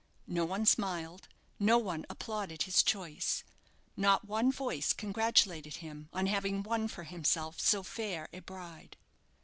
No one smiled; no one applauded his choice; not one voice congratulated him on having won for himself so fair a bride.